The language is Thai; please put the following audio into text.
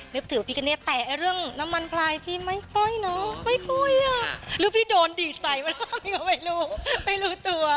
นับถือว่าพี่กันนี้แต่เรื่องน้ำมันพลายพี่ไม่ค่อยเนอะไม่ค่อยอ่ะหรือพี่โดนดีใส่มาแล้วไม่รู้ไม่รู้ตัว